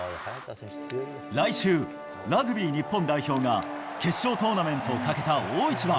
来週、ラグビー日本代表が決勝トーナメントをかけた大一番。